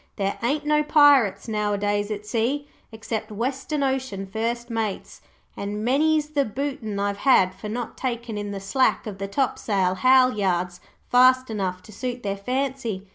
'There ain't no pirates nowadays at sea, except western ocean First Mates, and many's the bootin' I've had for not takin' in the slack of the topsail halyards fast enough to suit their fancy.